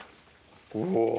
お。